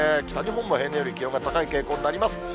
北日本も平年より気温が高い傾向になります。